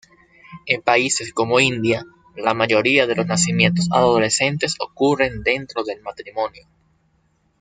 En países como India, la mayoría de los nacimientos adolescentes ocurren dentro del matrimonio.